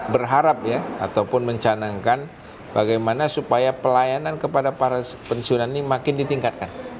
berharap ya ataupun mencanangkan bagaimana supaya pelayanan kepada para pensiunan ini makin ditingkatkan